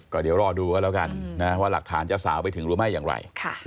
ก็เดี๋ยวรอดูกันแล้วกันว่าหลักฐานจะสาวไปถึงหรือไม่อย่างไร